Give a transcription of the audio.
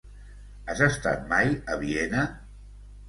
Has estat mai a Viena?